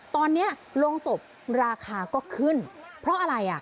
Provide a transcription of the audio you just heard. ตอนนี้โรงศพราคาก็ขึ้นเพราะอะไร